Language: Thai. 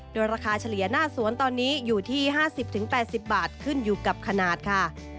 โดยราคาเฉลี่ยหน้าสวนตอนนี้อยู่ที่๕๐๘๐บาทขึ้นอยู่กับขนาดค่ะ